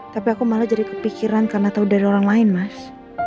tapi aku malah jadi kepikiran karena tahu dari orang lain mas